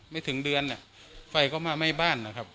ไม่ถึงเดือนไฟก็มาไหม้บ้าน